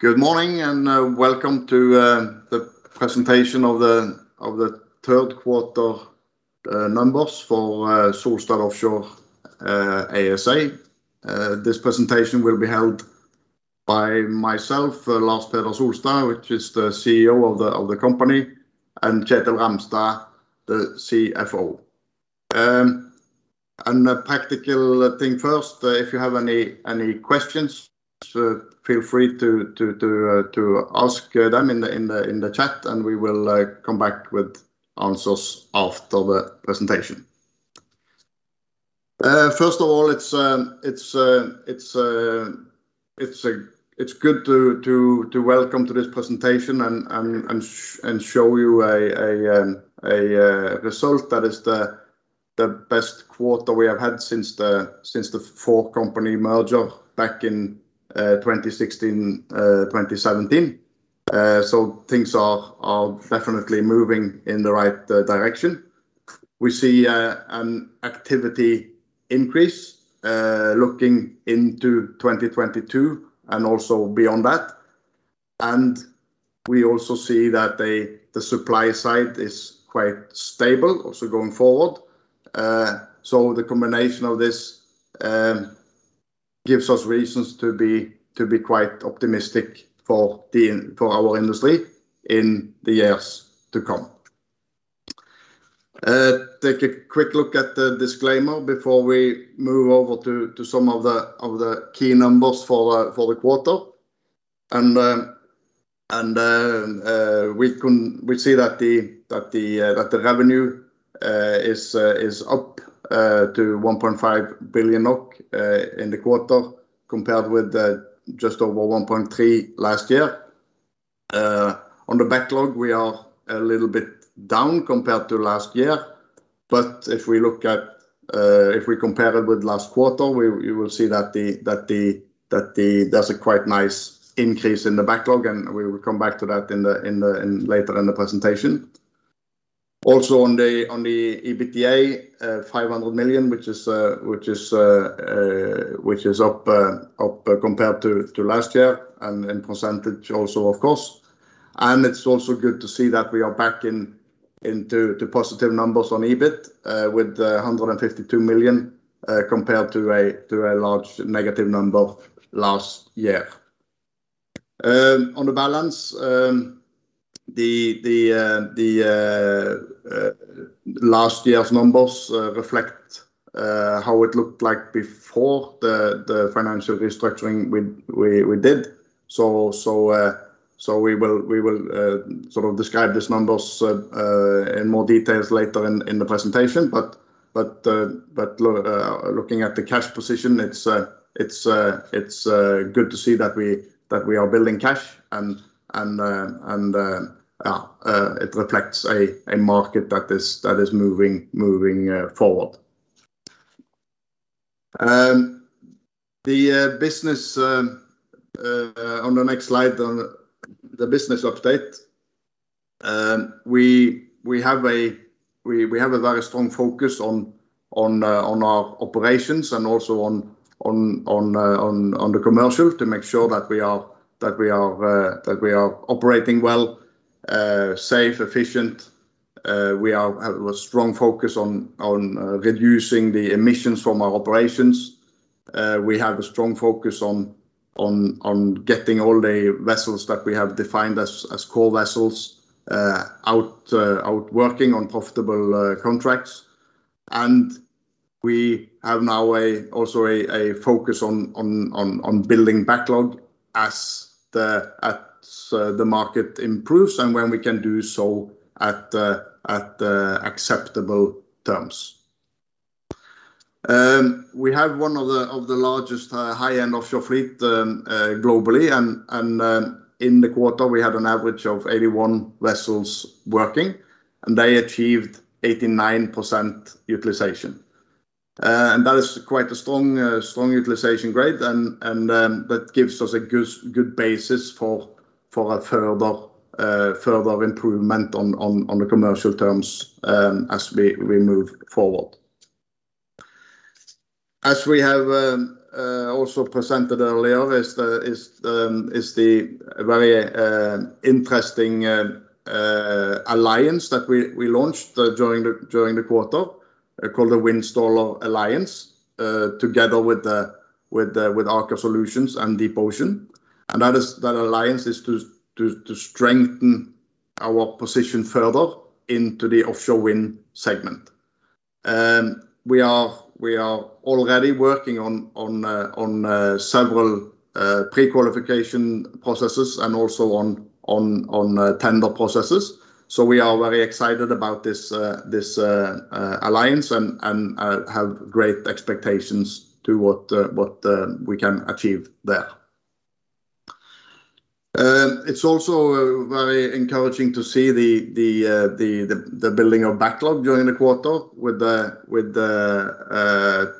Good morning and welcome to the presentation of the third quarter numbers for Solstad Offshore ASA. This presentation will be held by myself, Lars Peder Solstad, who is the CEO of the company, and Kjetil Ramstad, the CFO. A practical thing first, if you have any questions, feel free to ask them in the chat, and we will come back with answers after the presentation. First of all, it's good to welcome you to this presentation and show you a result that is the best quarter we have had since the fourth company merger back in 2016, 2017. Things are definitely moving in the right direction. We see an activity increase looking into 2022 and also beyond that. We also see that the supply side is quite stable going forward. The combination of this gives us reasons to be quite optimistic for our industry in the years to come. Take a quick look at the disclaimer before we move over to some of the key numbers for the quarter. We see that the revenue is up to 1.5 billion NOK in the quarter compared with just over 1.3 billion last year. On the backlog, we are a little bit down compared to last year. If we compare it with last quarter, you will see that there's a quite nice increase in the backlog, and we will come back to that later in the presentation. Also on the EBITDA, 500 million, which is up compared to last year and in percentage also, of course. It's also good to see that we are back into positive numbers on EBIT with 152 million compared to a large negative number last year. On the balance, last year's numbers reflect how it looked before the financial restructuring we did. We will describe these numbers in more detail later in the presentation. Looking at the cash position, it's good to see that we are building cash, and it reflects a market that is moving forward. On the next slide, the business update, we have a very strong focus on our operations and also on the commercial to make sure that we are operating well, safe, efficient. We have a strong focus on reducing the emissions from our operations. We have a strong focus on getting all the vessels that we have defined as core vessels out working on profitable contracts. We have now also a focus on building backlog as the market improves and when we can do so at acceptable terms. We have one of the largest high-end offshore fleet globally, and in the quarter, we had an average of 81 vessels working, and they achieved 89% utilization. That is quite a strong utilization grade, and that gives us a good basis for a further improvement on the commercial terms as we move forward. As we have also presented earlier, is the very interesting alliance that we launched during the quarter called the Windstaller Alliance, together with Aker Solutions and DeepOcean. That alliance is to strengthen our position further into the offshore wind segment. We are already working on several pre-qualification processes and also on tender processes. We are very excited about this alliance, and have great expectations to what we can achieve there. It's also very encouraging to see the building of backlog during the quarter with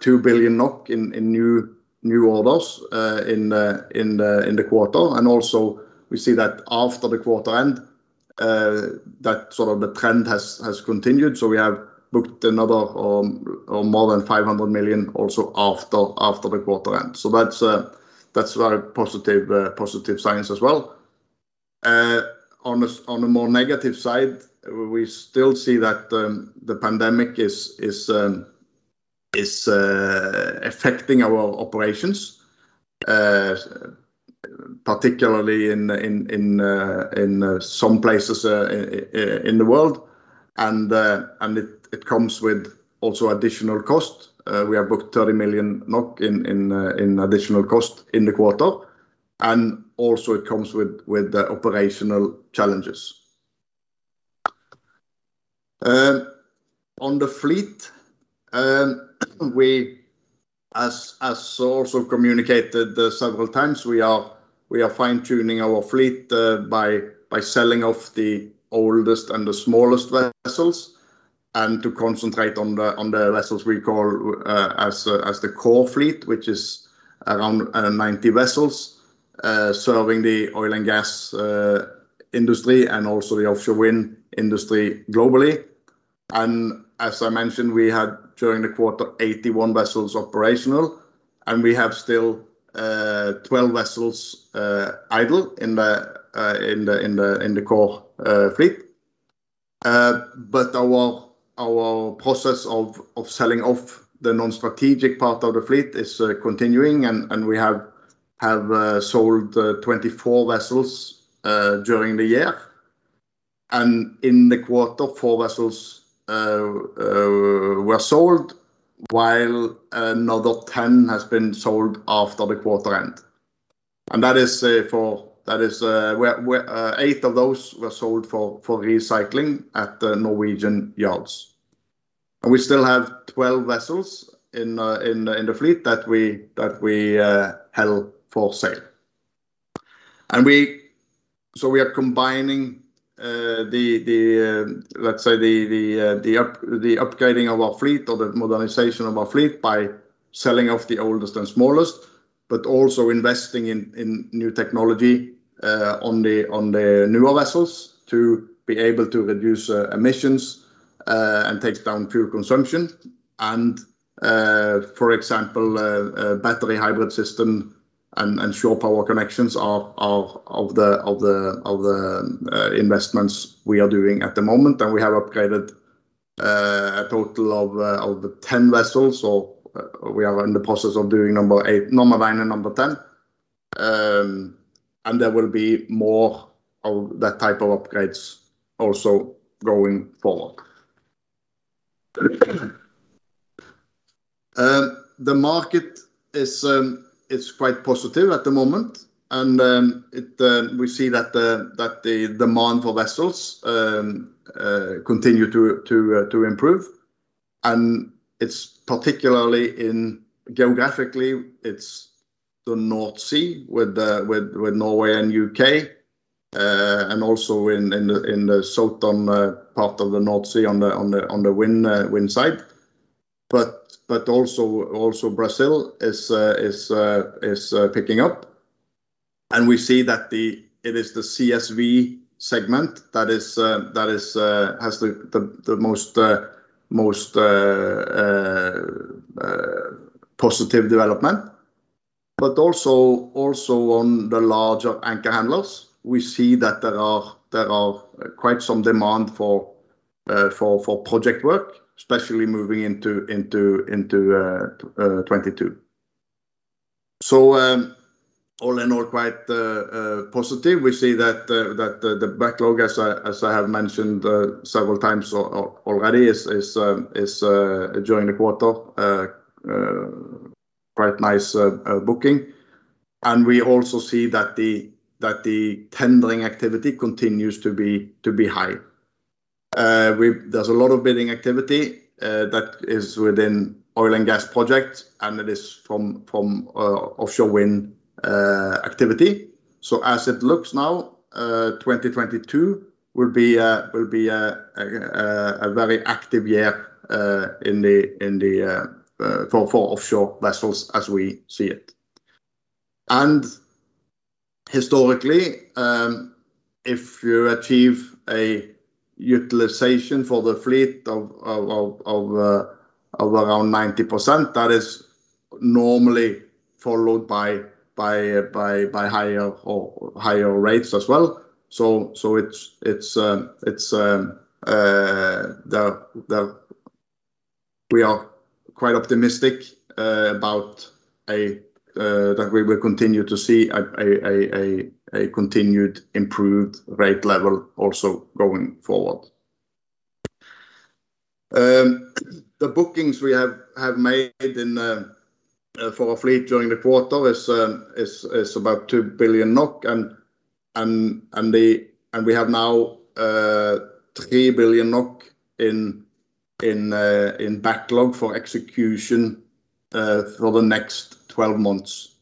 2 billion NOK in new orders in the quarter. We see that after the quarter end, the trend has continued. We have booked another or more than 500 million also after the quarter end. That's a very positive sign as well. On a more negative side, we still see that the pandemic is affecting our operations, particularly in some places in the world. It comes with also additional cost. We have booked 30 million NOK in additional cost in the quarter. It also comes with operational challenges. On the fleet, as also communicated several times, we are fine-tuning our fleet by selling off the oldest and the smallest vessels and to concentrate on the vessels we call as the core fleet, which are around 90 vessels serving the oil and gas industry and also the offshore-wind industry globally. As I mentioned, we had during the quarter 81 vessels operational, and we have still 12 vessels idle in the core fleet. Our process of selling off the non-strategic part of the fleet is continuing, and we have sold 24 vessels during the year. In the quarter, four vessels were sold while another 10 have been sold after the quarter end. Eight of those were sold for recycling at Norwegian yards. We still have 12 vessels in the fleet that we held for sale. We are combining, let's say, the upgrading of our fleet or the modernization of our fleet by selling off the oldest and smallest, but also investing in new technology on the newer vessels to be able to reduce emissions and take down fuel consumption. For example, battery-hybrid systems and shore-power connections are of the investments we are doing at the moment. We have upgraded a total of 10 vessels, so we are in the process of doing number eight, number nine, and number 10. There will be more of that type of upgrades also going forward. The market is quite positive at the moment, and we see that the demand for vessels continues to improve. It's particularly geographically, it's the North Sea with Norway and the U.K., and also in the southern part of the North Sea on the wind side. Brazil is picking up. We see that it is the CSV segment that has the most positive development. On the larger anchor handlers, we see that there is quite some demand for project work, especially moving into 2022. All in all, quite positive. We see that the backlog, as I have mentioned several times already, is during the quarter quite nice booking. We also see that the tendering activity continues to be high. There's a lot of bidding activity that is within oil and gas projects, and it is from offshore-wind activity. As it looks now, 2022 will be a very active year for offshore vessels as we see it. Historically, if you achieve a utilization for the fleet of around 90%, that is normally followed by higher rates as well. We are quite optimistic that we will continue to see a continued improved rate level also going forward. The bookings we have made for our fleet during the quarter is about NOK 2 billion. We have now 3 billion NOK in backlog for execution for the next 12 months.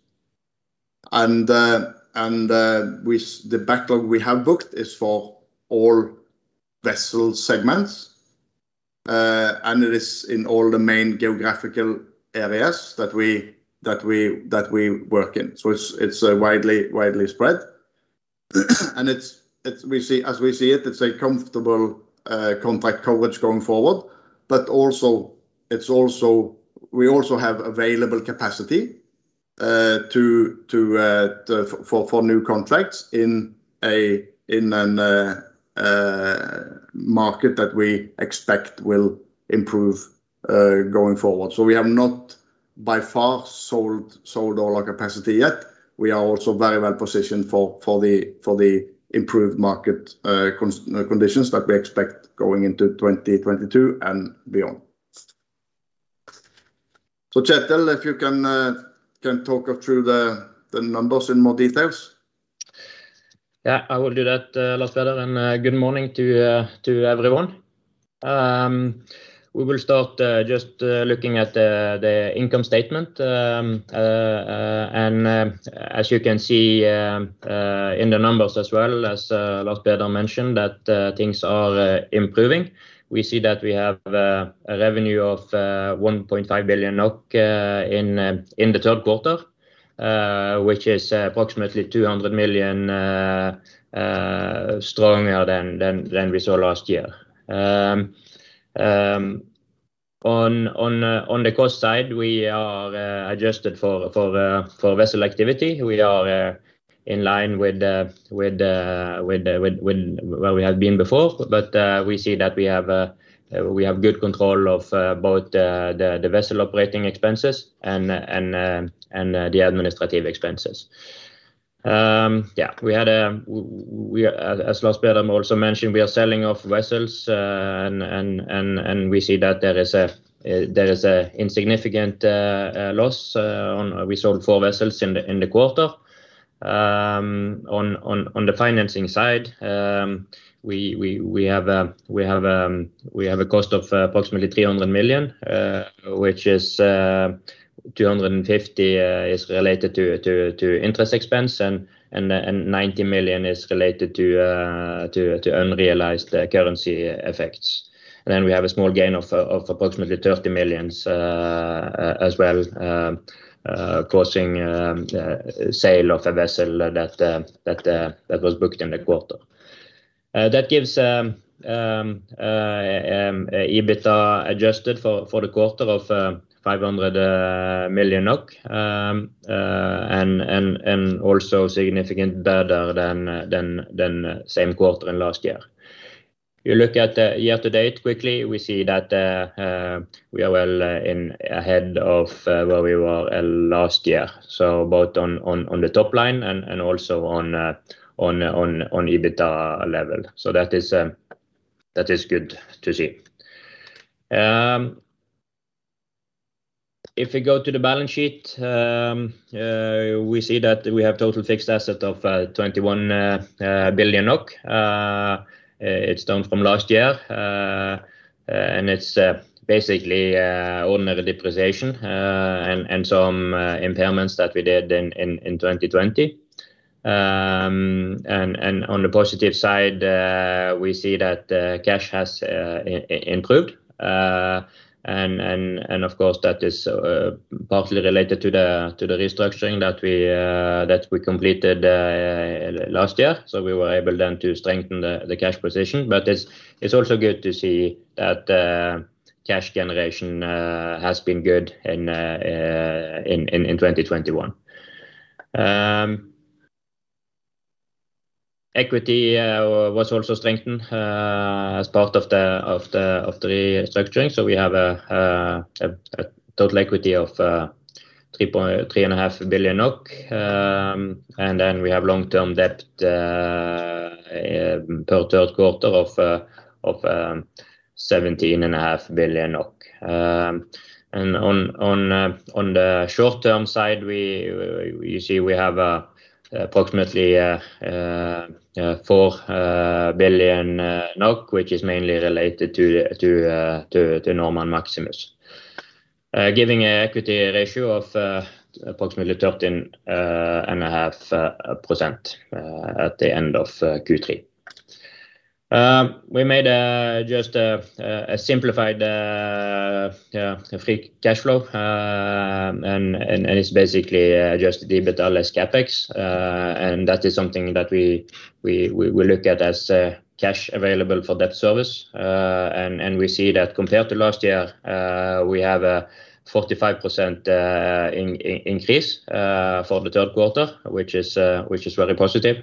The backlog we have booked is for all vessel segments, and it is in all the main geographical areas that we work in. It's widely spread. As we see it, it's a comfortable contract coverage going forward. We also have available capacity for new contracts in a market that we expect will improve going forward. We have not by far sold all our capacity yet. We are also very well positioned for the improved market conditions that we expect going into 2022 and beyond. Kjetil, if you can talk us through the numbers in more details. Yeah, I will do that, Lars Peder. Good morning to everyone. We will start just looking at the income statement. As you can see in the numbers as well, as Lars Peder mentioned, things are improving. We see that we have a revenue of 1.5 billion NOK in the third quarter, which is approximately 200 million stronger than we saw last year. On the cost side, we are adjusted for vessel activity. We are in line with where we have been before, but we see that we have good control of both the vessel operating expenses and the administrative expenses. We had, as Lars Peder also mentioned, we are selling off vessels, and we see that there is an insignificant loss. We sold four vessels in the quarter. On the financing side, we have a cost of approximately 300 million, of which 250 million is related to interest expense, and 90 million is related to unrealized currency effects. We have a small gain of approximately 30 million as well, causing a sale of a vessel that was booked in the quarter. That gives an EBITDA adjusted for the quarter of 500 million and also significantly better than the same quarter in last year. You look at the year-to-date quickly, we see that we are well ahead of where we were last year, both on the top line and also on EBITDA level. That is good to see. If we go to the balance sheet, we see that we have a total fixed asset of 21 billion NOK. It's down from last year, and it's basically ordinary depreciation and some impairments that we did in 2020. On the positive side, we see that cash has improved. Of course, that is partly related to the restructuring that we completed last year. We were able then to strengthen the cash position. It's also good to see that cash generation has been good in 2021. Equity was also strengthened as part of the restructuring. We have a total equity of 3.5 billion NOK. We have long-term debt per third quarter of 17.5 billion. On the short-term side, you see we have approximately 4 billion NOK, which is mainly related to Norman Maximus, giving an equity ratio of approximately 13.5% at the end of Q3. We made just a simplified free cash flow, and it's basically just EBITDA less CapEx. That is something that we look at as cash available for debt service. We see that compared to last year, we have a 45% increase for the third quarter, which is very positive.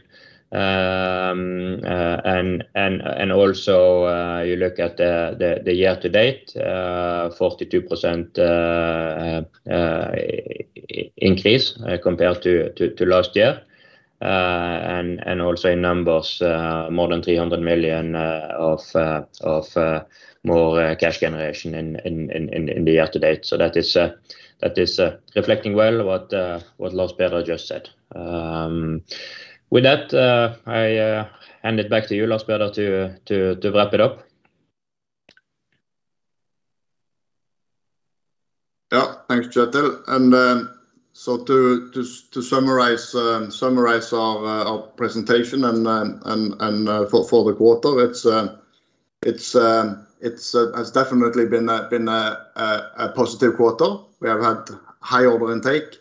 You look at the year-to-date, 42% increase compared to last year. Also in numbers, more than 300 million of more cash generation in the year-to-date. That is reflecting well what Lars Peder just said. With that, I hand it back to you, Lars Peder, to wrap it up. Yeah, thanks, Kjetil. To summarize our presentation and for the quarter, it has definitely been a positive quarter. We have had high order intake,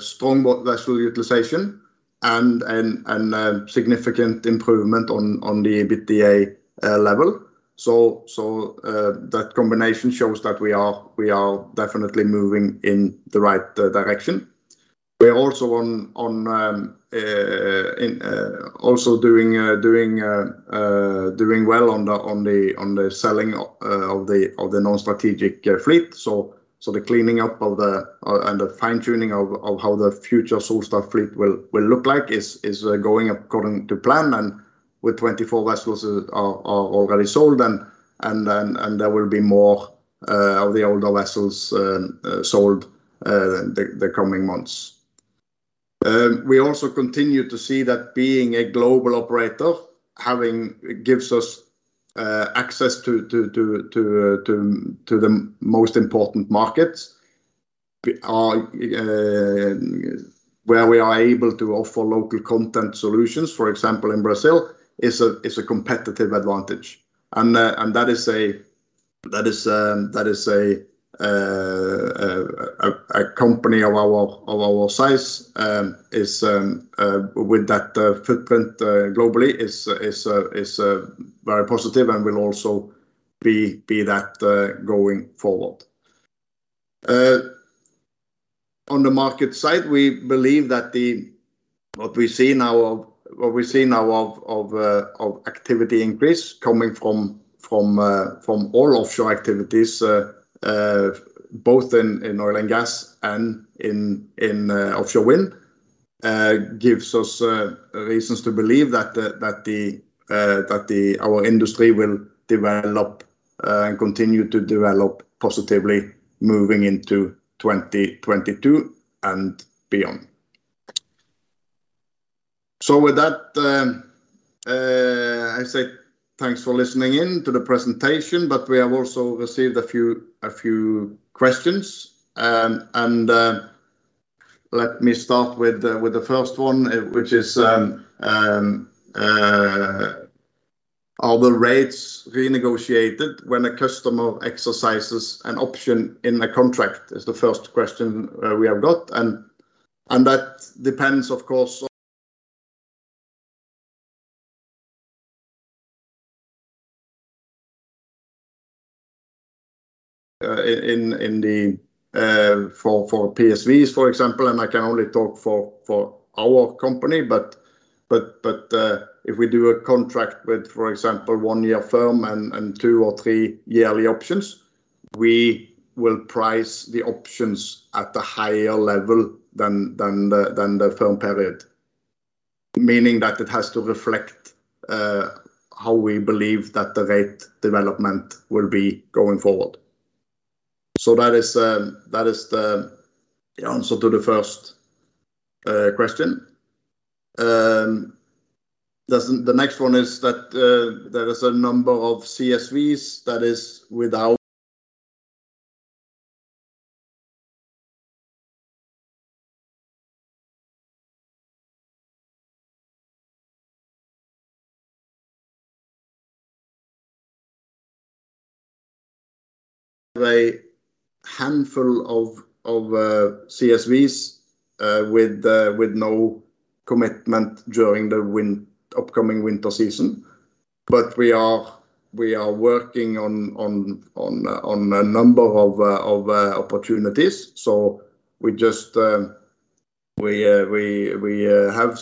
strong vessel utilization, and significant improvement on the EBITDA level. That combination shows that we are definitely moving in the right direction. We're also doing well on the selling of the non-strategic fleet. The cleaning up and the fine-tuning of how the future Solstad fleet will look like is going according to plan. With 24 vessels already sold, there will be more of the older vessels sold in the coming months. We also continue to see that being a global operator gives us access to the most important markets where we are able to offer local content solutions. For example, in Brazil, it's a competitive advantage. A company of our size with that footprint globally is very positive and will also be that going forward. On the market side, we believe that what we see now of activity increase coming from all offshore activities, both in oil and gas and in offshore wind, gives us reasons to believe that our industry will develop and continue to develop positively moving into 2022 and beyond. With that, I say thanks for listening in to the presentation, but we have also received a few questions. Let me start with the first one, which is, are the rates renegotiated when a customer exercises an option in a contract? That's the first question we have got. That depends, of course, for PSVs, for example. I can only talk for our company, but if we do a contract with, for example, a one-year firm and two- or three-yearly options, we will price the options at a higher level than the term period, meaning that it has to reflect how we believe that the rate development will be going forward. That is the answer to the first question. The next one is that there is a number of CSVs, that is, a handful of CSVs with no commitment during the upcoming winter season. We are working on a number of opportunities. We have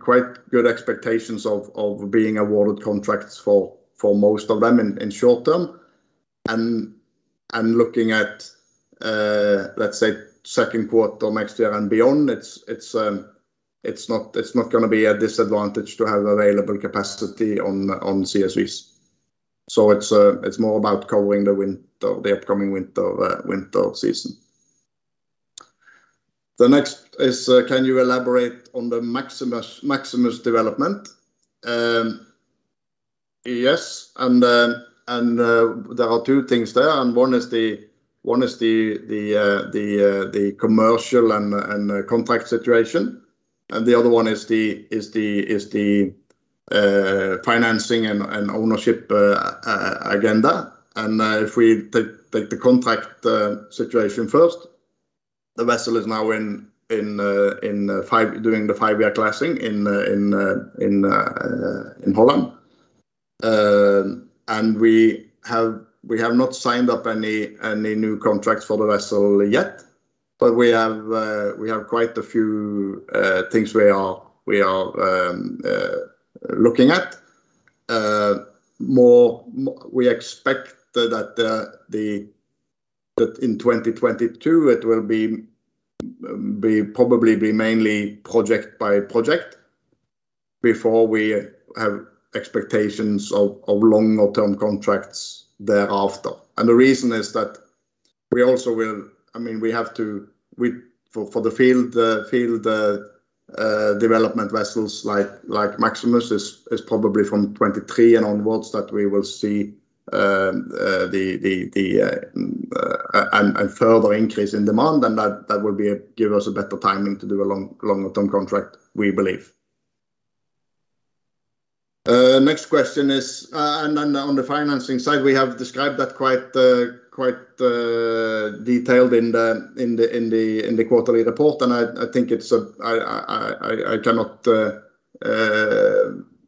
quite good expectations of being awarded contracts for most of them in the short term. Looking at, let's say, the second quarter of next year and beyond, it's not going to be a disadvantage to have available capacity on CSVs. It's more about covering the upcoming winter season. The next is, can you elaborate on the Maximus development? Yes. There are two things there. One is the commercial and contract situation. The other one is the financing and ownership agenda. If we take the contract situation first, the vessel is now doing the five-year classing in Poland. We have not signed up any new contracts for the vessel yet, but we have quite a few things we are looking at. We expect that in 2022, it will probably be mainly project by project before we have expectations of longer-term contracts thereafter. The reason is that we also will, I mean, we have to, for the field development vessels like Maximus, it's probably from 2023 and onwards that we will see a further increase in demand. That will give us a better timing to do a longer-term contract, we believe. Next question is, on the financing side, we have described that quite detailed in the quarterly report. I think I cannot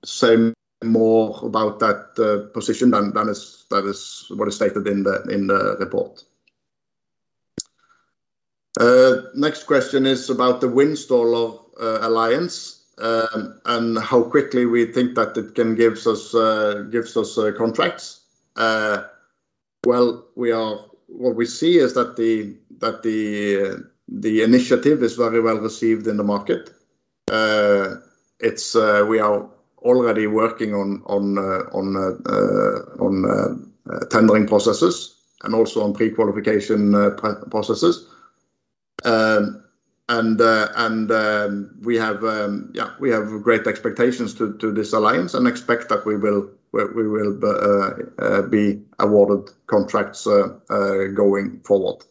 say more about that position than is what is stated in the report. Next question is about the Wind Solar Alliance and how quickly we think that it gives us contracts. What we see is that the initiative is very well received in the market. We are already working on tendering processes and also on pre-qualification processes. We have great expectations to this alliance and expect that we will be awarded contracts going forward.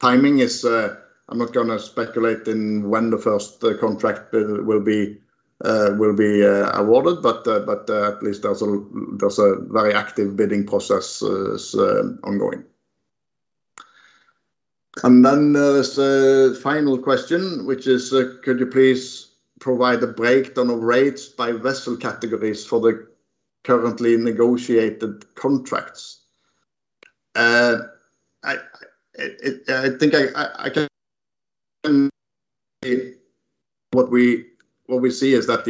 Timing is, I'm not going to speculate in when the first contract will be awarded, but at least there's a very active bidding process ongoing. There is a final question, which is, could you please provide the breakdown of rates by vessel categories for the currently negotiated contracts? I think I can... What we see is that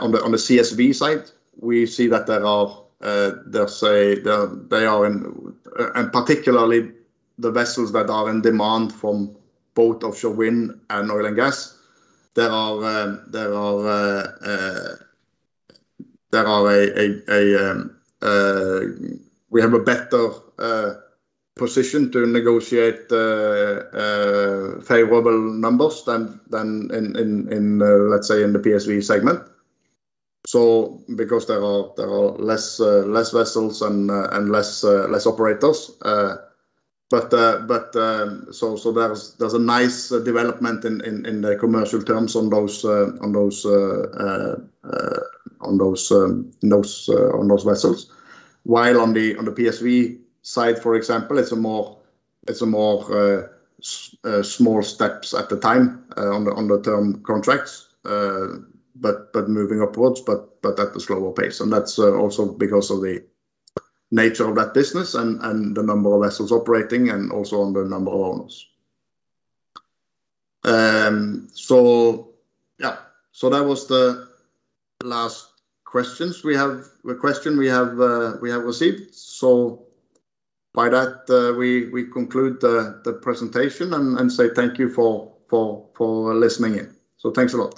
on the CSV side, we see that there are, they are in, and particularly the vessels that are in demand from both offshore wind and oil and gas. We have a better position to negotiate favorable numbers than in, let's say, in the PSV segment, because there are less vessels and less operators. There is a nice development in the commercial terms on those vessels. While on the PSV side, for example, it's more small steps at the time on the term contracts, but moving upwards, but at a slower pace. That is also because of the nature of that business and the number of vessels operating and also on the number of owners. That was the last question we have received. By that, we conclude the presentation and say thank you for listening in. Thanks a lot.